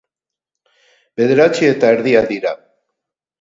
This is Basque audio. Bederatzi eta erdiak dira.